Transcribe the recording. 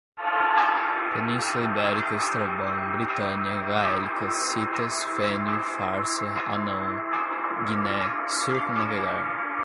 Península Ibérica, Estrabão, Britânia, gaélicas, citas, Fênio Farsa, Hanão, Guiné, circum-navegar